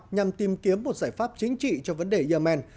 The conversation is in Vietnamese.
nhằm tìm kiếm một giải pháp chính trị cho vấn đề yemen